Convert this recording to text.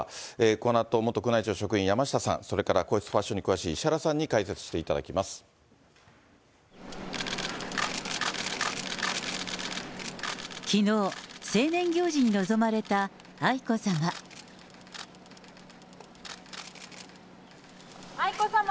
このあと元宮内庁職員、山下さん、それから皇室ファッションに詳しい石原さんに解説していただきまきのう、成年行事に臨まれた愛子さま。